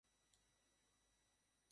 এর পরিমাপ একেবারে নিজস্ব।